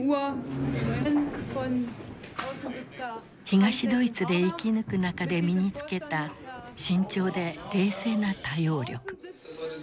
東ドイツで生き抜く中で身に付けた慎重で冷静な対応力。